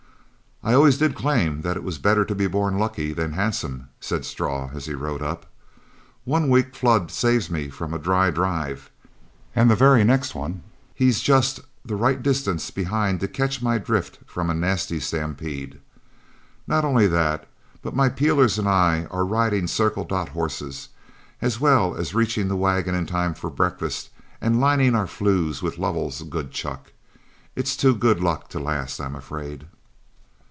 "I always did claim that it was better to be born lucky than handsome," said Straw as he rode up. "One week Flood saves me from a dry drive, and the very next one, he's just the right distance behind to catch my drift from a nasty stampede. Not only that, but my peelers and I are riding Circle Dot horses, as well as reaching the wagon in time for breakfast and lining our flues with Lovell's good chuck. It's too good luck to last, I'm afraid.